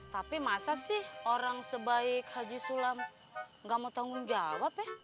tapi masa sih orang sebaik haji sulam gak mau tanggung jawab ya